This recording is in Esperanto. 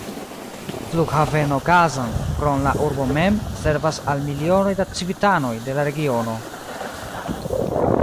Flughaveno Kazan, krom la urbo mem, servas al milionoj da civitanoj de la regiono.